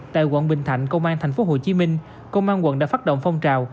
tại quận bình thạnh công an thành phố hồ chí minh công an quận đã phát động phong trào